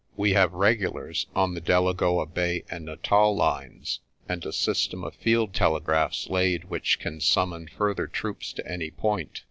We have regulars on the Delagoa Bay and Natal lines, and a system of field telegraphs laid which can summon further troops to any point.